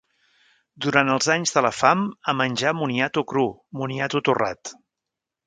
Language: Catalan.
Durant els anys de la fam a menjar moniato cru, moniato torrat…